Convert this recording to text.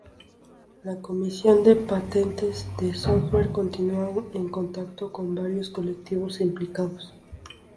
La Comisión de Patentes de Software continúa en contacto con varios colectivos implicados.